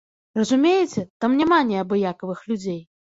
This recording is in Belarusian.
Разумееце, там няма неабыякавых людзей.